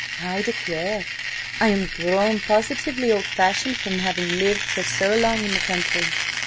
"I declare I am grown positively old fashioned from having lived for so long in the country!